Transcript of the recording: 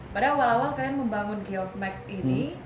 pada awal awal kalian membangun geof max ini